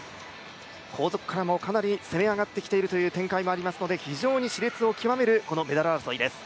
後続からもかなり攻め上がってきている展開もあるので非常にしれつを極めるこのメダル争いです。